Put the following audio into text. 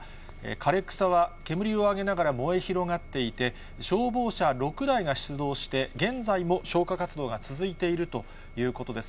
枯れ草は煙を上げながら燃え広がっていて、消防車６台が出動して、現在も消火活動が続いているということです。